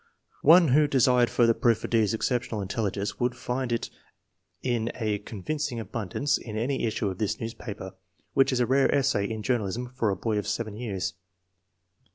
One who desired further proof of D.'s exceptional intelligence would find it in convincing abundance in any issue of this newspaper, which is a rare essay in journalism for a boy of 7 years.